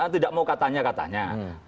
tidak mau katanya katanya